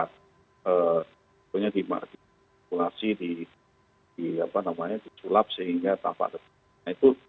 foto nya dimarkipulasi disulap sehingga tampak lebih seling